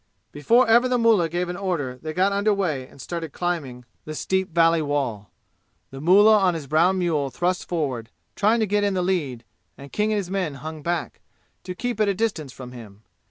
Before ever the mullah gave an order they got under way and started climbing the steep valley wall. The mullah on his brown mule thrust forward, trying to get in the lead, and King and his men hung back, to keep at a distance from him.